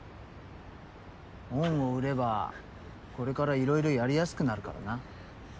恩を売ればこれからいろいろやりやすくなるからな。